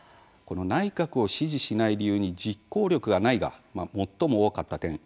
内閣を支持しない理由に実行力がない、が最も多かった点。